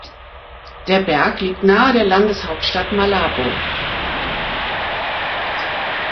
Der Berg liegt nahe der Landeshauptstadt Malabo.